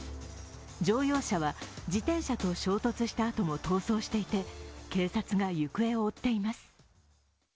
乗用車は自転車と衝突したあとも逃走していて、警察が行方を追っています。